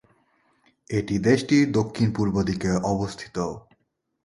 এটি দেশটির দক্ষিণ-পূর্ব দিকে অবস্থিত।